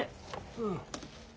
うん。